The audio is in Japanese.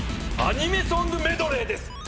アニメソングメドレーです。